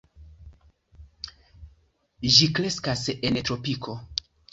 Ĝi kreskas en tropiko.